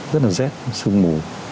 rất là rét sương mù